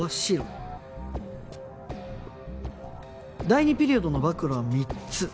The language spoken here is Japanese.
第２ピリオドの暴露は３つ。